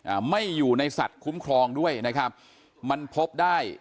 อ่าไม่อยู่ในสัตว์คุ้มครองด้วยนะครับมันพบได้